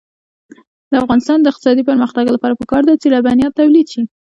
د افغانستان د اقتصادي پرمختګ لپاره پکار ده چې لبنیات تولید شي.